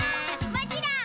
もちろん。